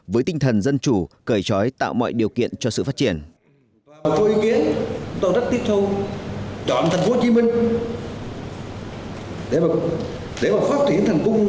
với tinh thần dân chủ cởi trói tạo mọi điều kiện cho sự phát triển